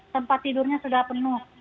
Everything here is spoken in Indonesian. tempat tidurnya sudah penuh